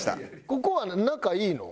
ここは仲いいの？